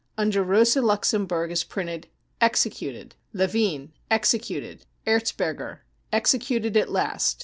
Under Rosa Luxemburg is printed :" Exe cuted." Levine :" Executed." Erzberger :" Executed at last.